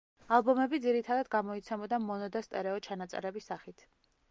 ალბომები ძირითადად გამოიცემოდა მონო და სტერეო ჩანაწერების სახით.